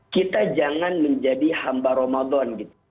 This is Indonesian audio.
kita jangan menjadi hamba ramadan gitu